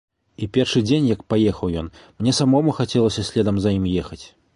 І першы дзень, як паехаў ён, мне самому хацелася следам за ім ехаць.